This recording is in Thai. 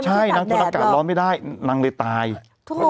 ใช่นังทนอากาศร้อนไม่ได้มันถึงถัดแดดแล้ว